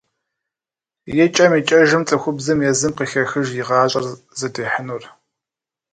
Икӏэм-икӏэжым цӏыхубзым езым къыхехыж и гъащӏэр зыдихьынур.